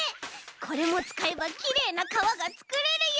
これもつかえばきれいなかわがつくれるよ！